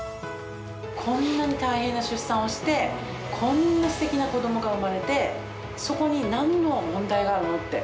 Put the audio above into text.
こんなに大変な出産をして、こんなすてきな子どもが産まれて、そこになんの問題があるのって。